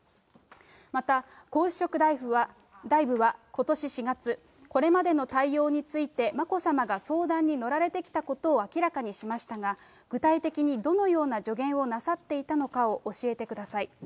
また皇嗣職大夫はことし４月、これまでの対応について、眞子さまが相談に乗られてきたことを明らかにしましたが、具体的にどのような助言をなさっていたのかを教えてください。